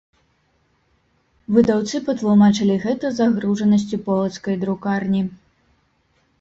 Выдаўцы патлумачылі гэта загружанасцю полацкай друкарні.